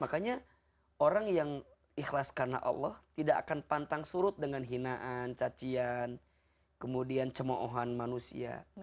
makanya orang yang ikhlas karena allah tidak akan pantang surut dengan hinaan cacian kemudian cemohan manusia